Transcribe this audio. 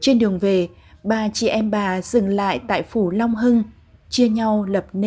trên đường về bà chị em bà dừng lại tại phủ long hưng chia nhau lập nên trang ấp